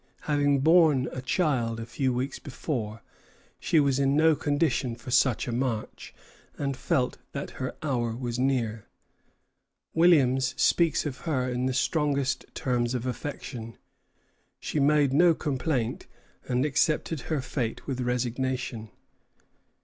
Having borne a child a few weeks before, she was in no condition for such a march, and felt that her hour was near. Williams speaks of her in the strongest terms of affection. She made no complaint, and accepted her fate with resignation.